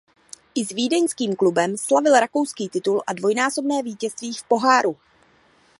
I s vídeňským klubem slavil rakouský titul a dvojnásobné vítězství v poháru.